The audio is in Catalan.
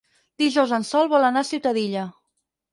Dijous en Sol vol anar a Ciutadilla.